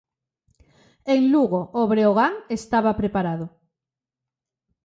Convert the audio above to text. En Lugo, o Breogán estaba preparado.